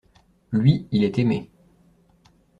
Lui, il est aimé.